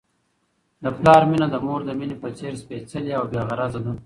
د پلار مینه د مور د مینې په څېر سپیڅلې او بې غرضه ده.